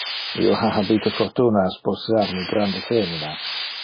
Io ha habite fortuna a sposar mi grande femina.